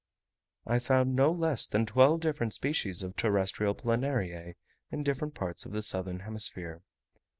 I found no less than twelve different species of terrestrial Planariae in different parts of the southern hemisphere.